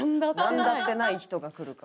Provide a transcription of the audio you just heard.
なんだってない人が来るか。